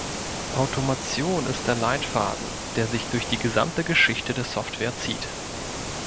Automation ist der Leitfaden, der sich durch die gesamte Geschichte der Software zieht.